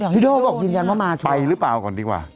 โด่ก็บอกยืนยันว่ามาไปหรือเปล่าก่อนดีกว่า